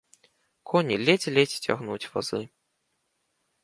Коні ледзь-ледзь цягнуць вазы.